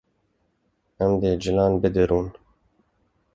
Em dê cilan bidirûn